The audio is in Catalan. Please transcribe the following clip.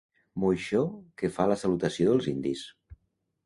Moixó que fa la salutació dels indis.